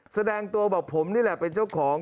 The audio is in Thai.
แสดงตัวบอกผมนี่แหละเป็นเจ้าของ